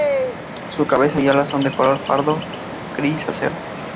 Su cabeza y alas son de color pardo grisáceo.